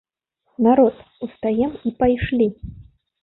Народ, устаем і пайшлі!